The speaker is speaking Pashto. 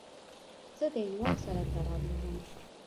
زه د عنوان سره تړاو لرم.